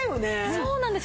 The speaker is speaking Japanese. そうなんです。